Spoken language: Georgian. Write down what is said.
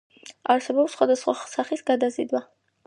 არსებობს სხვადასხვა სახის გადაზიდვა.